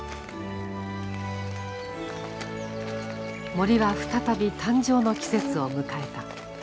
森は再び誕生の季節を迎えた。